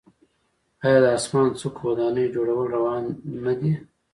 آیا د اسمان څکو ودانیو جوړول روان نه دي؟